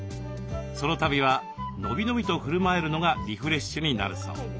ソロ旅は伸び伸びとふるまえるのがリフレッシュになるそう。